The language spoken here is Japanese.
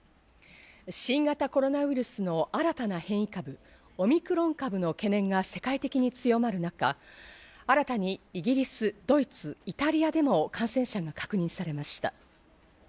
新型コロナウイルスの新たな変異株、オミクロン株の懸念が世界的に強まる中、新たにイギリス、ドイツ、イタリアでも感染者が確認されました。